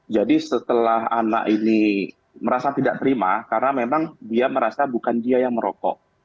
jadi setelah anak ini merasa tidak terima karena memang dia merasa bukan dia yang merokok